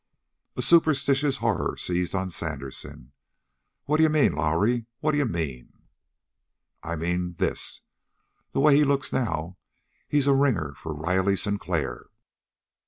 A superstitious horror seized on Sandersen. "What d'you mean, Lowrie? What d'you mean?" "I mean this! The way he looks now he's a ringer for Riley Sinclair.